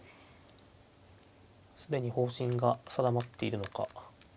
既に方針が定まっているのか。